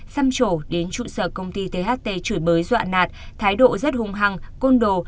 xăm trổ đến trụ sở công ty tht chửi bới dọa nạt thái độ rất hung hăng côn đồ